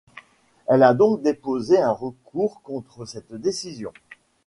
Elle a donc déposé un recours contre cette décision.